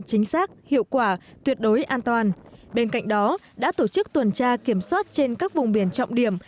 chính xác hiệu quả tuyệt đối an toàn bên cạnh đó đã tổ chức tuần tra kiểm soát trên các vùng biển trọng điểm